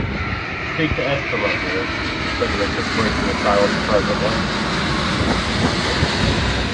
"Speak to Esther, my dearest," said Richard, breaking the silence presently.